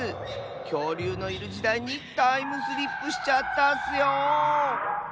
きょうりゅうのいるじだいにタイムスリップしちゃったッスよ。